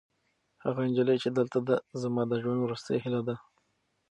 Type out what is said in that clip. هغه نجلۍ چې دلته ده، زما د ژوند وروستۍ هیله ده.